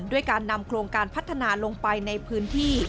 ด้วยการนำโครงการพัฒนาลงไปในพื้นที่